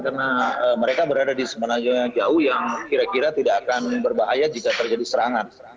karena mereka berada di semenanjung yang jauh yang kira kira tidak akan berbahaya jika terjadi serangan